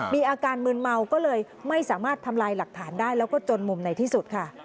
มีอาการมืนเมาก็เลยไม่สามารถทำลายหลักฐานได้แล้วก็จนมุมในที่สุดค่ะ